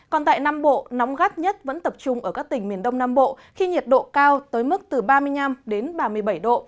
còn tại nam bộ nóng gắt nhất vẫn tập trung ở các tỉnh miền đông nam bộ khi nhiệt độ cao tới mức từ ba mươi năm đến ba mươi bảy độ